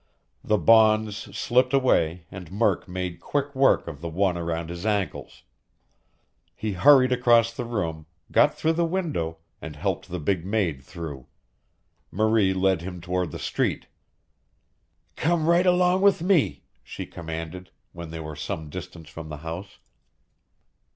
The bonds slipped away, and Murk made quick work of the one around his ankles. He hurried across the room, got through the window, and helped the big maid through. Marie led him toward the street. "Come right along with me!" she commanded, when they were some distance from the house.